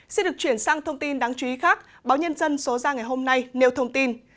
xin được chuyển sang thông tin đáng chú ý khác báo nhân dân số ra ngày hôm nay nêu thông tin